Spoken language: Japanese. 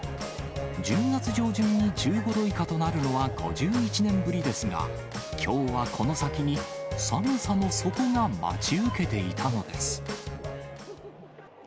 １０月上旬に１５度以下となるのは５１年ぶりですが、きょうはこの先に寒さの底が待ち受けていたのです。